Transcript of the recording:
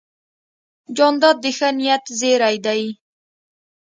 جانداد د ښه نیت زېرى دی.